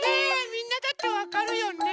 みんなだってわかるよね？